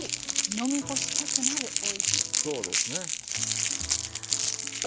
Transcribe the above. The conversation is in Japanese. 飲み干したくなるおいしさです。